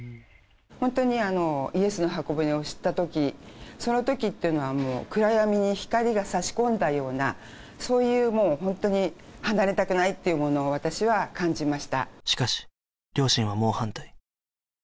ホントにあのイエスの方舟を知った時その時っていうのはもう暗闇に光がさし込んだようなそういうもうホントに離れたくないっていうものを私は感じました